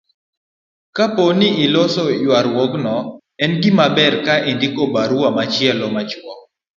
Kapo ni olosni ywaruokno, en gimaber ka indiko barua machielo machuok